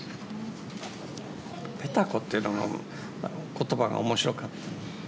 「ペタコ」っていう言葉が面白かった。